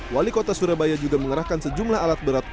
wali kota surabaya juga mengerahkan sejumlah alat beratobat